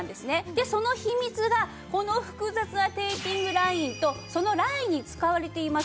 でその秘密がこの複雑なテーピングラインとそのラインに使われています